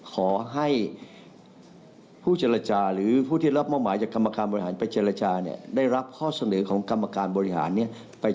ขอให้ผู้เจรจาหรือผู้ที่รับหม้อหมายจากกรรมการบริหารไปเจรจาเนี่ย